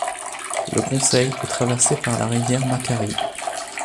Le conseil est traversé par la rivière Macquarie.